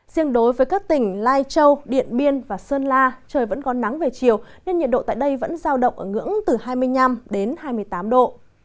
riêng đối với các tỉnh lai châu điện biên và sơn la trời vẫn có nắng về chiều nên nhiệt độ tại đây vẫn giao động ở ngưỡng từ hai mươi năm đến hai mươi tám độ